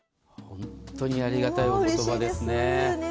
本当にありがたいお言葉ですね。